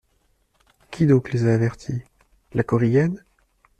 Qui donc les a avertis ? LA KORIGANE.